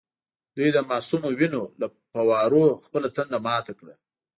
دوی د معصومو وینو له فووارو خپله تنده ماته کړه.